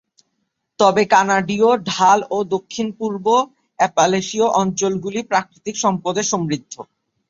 তবে কানাডীয় ঢাল ও দক্ষিণ-পূর্ব অ্যাপালেশীয় অঞ্চলগুলি প্রাকৃতিক সম্পদে সমৃদ্ধ।